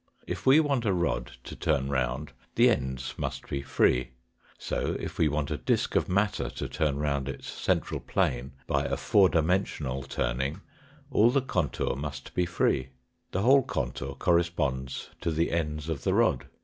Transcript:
If we want a rod to turn round, the ends must be free ; so if we want a disk of matter to turn round its central plane by a four dimen sional turning, all the contour must be free. The whole contour corresponds to the ends of the rod.